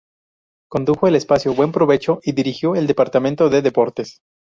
Condujo el espacio "Buen provecho" y dirigió el departamento de deportes.